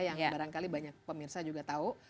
yang barangkali banyak pemirsa juga tahu